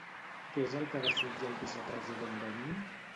Què és el que desitja el vicepresident d'Òmnium?